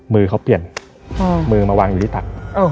มือเขาเปลี่ยนมือมาวางอยู่ที่ตัก